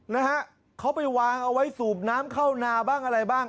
นะฮะเขาไปวางเอาไว้สูบน้ำเข้านาบ้างอะไรบ้าง